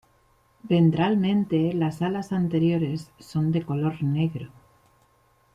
Ventralmente las alas anteriores son de color negro.